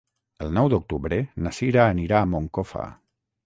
El nou d'octubre na Cira anirà a Moncofa.